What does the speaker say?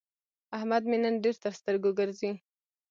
احمد مې نن ډېر تر سترګو ګرځي.